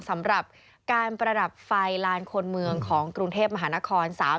สำหรับการประดับไฟลานคนเมืองของกรุงเทพมหานคร